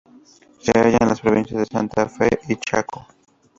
Se halla en las provincias de Santa Fe y Chaco.